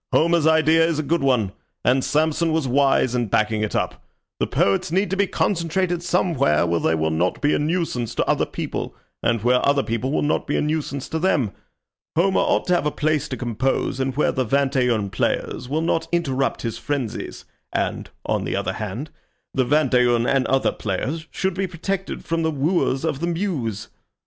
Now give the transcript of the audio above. "Homer's idea is a good one, and Samson was wise in backing it up. The poets need to be concentrated somewhere where they will not be a nuisance to other people, and where other people will not be a nuisance to them. Homer ought to have a place to compose in where the vingt et un players will not interrupt his frenzies, and, on the other hand, the vingt et un and other players should be protected from the wooers of the muse.